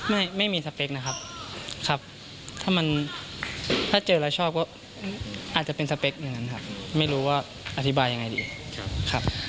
ไม่มีสเปคนะครับครับถ้ามันถ้าเจอแล้วชอบก็อาจจะเป็นสเปคอย่างนั้นครับไม่รู้ว่าอธิบายยังไงดีครับ